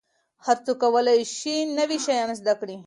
هر څوک کولای سي نوي شیان زده کړي.